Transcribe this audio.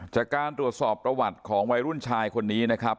จากการตรวจสอบประวัติของวัยรุ่นชายคนนี้นะครับ